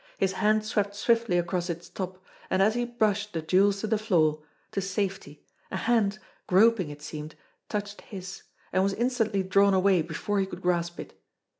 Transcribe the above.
His hand swept swiftly across its top, and as he brushed the jewels to the floor, to safety, a hand, groping it seemed, touched his and was instantly drawn away before he could grasp it.